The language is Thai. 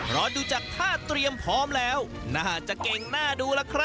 เพราะดูจากท่าเตรียมพร้อมแล้วน่าจะเก่งน่าดูล่ะครับ